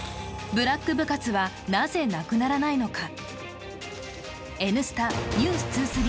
ブラック部活は、なぜなくならないのか。